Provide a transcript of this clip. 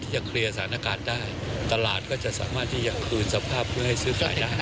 ยังเคลียร์สถานการณ์ได้ตลาดก็จะสามารถที่จะเอาคืนสภาพเพื่อให้ซื้อขายได้